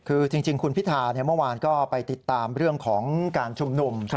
คือจริงคุณพิธาเมื่อวานก็ไปติดตามเรื่องของการชุมนุม